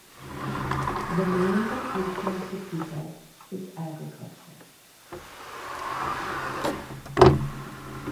The main vocation of the people is agriculture.